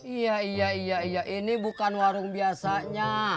iya iya iya ini bukan warung biasanya